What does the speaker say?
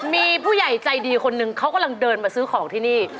มีผู้ใหญ่ใจดีคนหนึ่งเขากำลังเดินมาซื้อของที่นี่